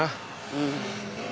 うん。